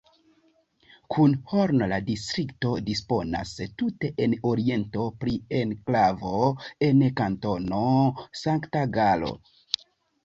Kun Horn la distrikto disponas tute en oriento pri enklavo en Kantono Sankt-Galo.